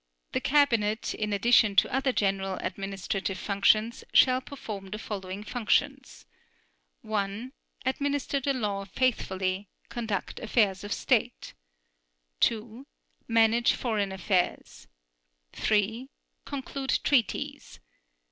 The Cabinet, in addition to other general administrative functions, shall perform the following functions: (i) Administer the law faithfully; conduct affairs of state; (ii) Manage foreign affairs; (iii) Conclude treaties.